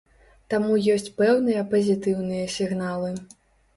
Таму ёсць пэўныя пазітыўныя сігналы.